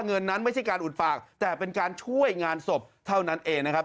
เงินนั้นไม่ใช่การอุดปากแต่เป็นการช่วยงานศพเท่านั้นเองนะครับ